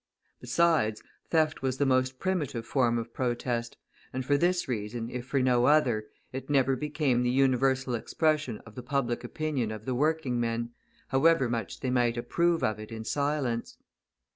Besides, theft was the most primitive form of protest, and for this reason, if for no other, it never became the universal expression of the public opinion of the working men, however much they might approve of it in silence.